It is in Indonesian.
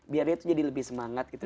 biar dia tuh jadi lebih semangat gitu